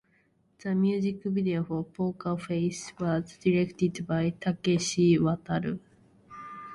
The music video for "poker face" was directed by Takeishi Wataru.